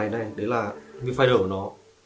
đấy là viewfinder của nó